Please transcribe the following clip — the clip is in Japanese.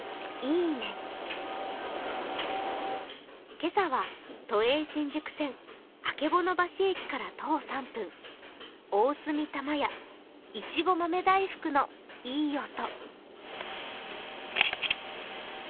今朝は都営新宿線曙橋駅から徒歩３分、大角玉屋、いちご豆大福のいい音。